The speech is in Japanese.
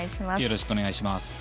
よろしくお願いします。